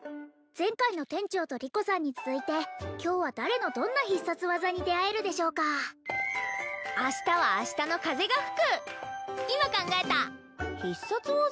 前回の店長とリコさんに続いて今日は誰のどんな必殺技に出会えるでしょうか明日は明日の風が吹く今考えた必殺技？